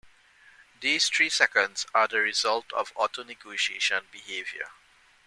These three seconds are a result of the autonegotiation behavior.